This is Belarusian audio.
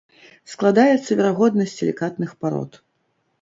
Складаецца верагодна з сілікатных парод.